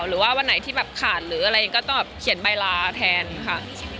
หรือว่าวันไหนที่แบบขาดหรืออะไรก็ต้องเขียนใบลาแทนค่ะ